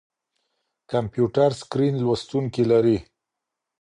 کمپيوټر سکرين لوستونکي لري.